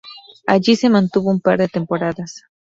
Allí se mantuvo un par de temporadas.